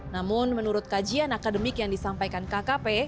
namun menurut kajian akademik yang disampaikan kkp